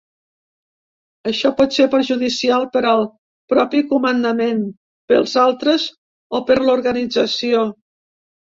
Això pot ser perjudicial per al propi comandament, pels altres o per l’organització.